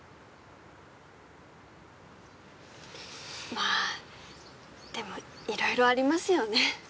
まぁでもいろいろありますよね。